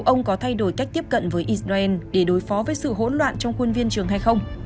ông có thay đổi cách tiếp cận với israel để đối phó với sự hỗn loạn trong khuôn viên trường hay không